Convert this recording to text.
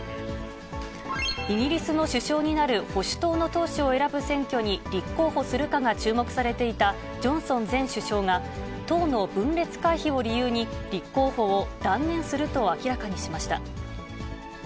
イギリスの首相になる保守党の党首を選ぶ選挙に立候補するかが注目されていたジョンソン前首相が、党の分裂回避を理由に、立候補を断念すると明らかにしました。